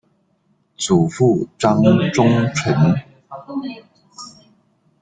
祖父张宗纯。